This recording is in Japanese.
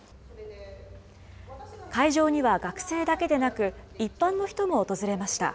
会場には学生だけでなく、一般の人も訪れました。